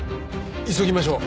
急ぎましょう！